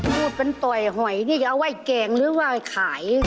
พูดเป็นต่อยหอยนี่เอาไว้แกงหรือว่าขาย